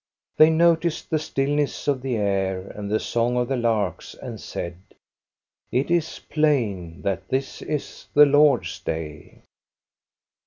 They noticed the stillness of the air and the song of the larks, and said :'' It is plain that this is the Lord's day."